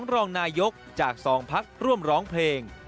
รองนายกจาก๒พักร่วมร้องเพลง